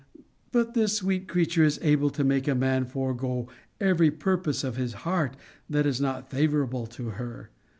But this sweet creature is able to make a man forego every purpose of his heart that is not favourable to her.